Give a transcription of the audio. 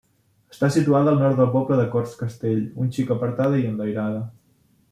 Està situada al nord del poble de Cortscastell, un xic apartada i enlairada.